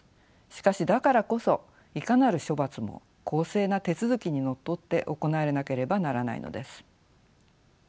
しかしだからこそいかなる処罰も公正な手続きにのっとって行われなければならないのです。